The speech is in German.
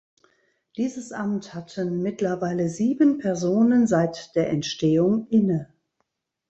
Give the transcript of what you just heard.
Dieses Amt hatten mittlerweile sieben Personen seit der Entstehung inne.